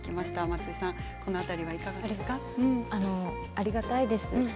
ありがたいです。